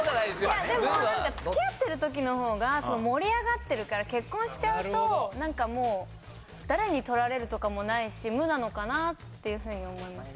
いやでもなんか付き合ってる時の方が盛り上がってるから結婚しちゃうとなんかもう誰に取られるとかもないし「無」なのかなっていうふうに思いました。